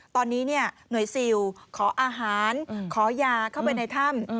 ตอนนี้หน่วยซิลขออาหารขอยาเข้าไปในถ้ำ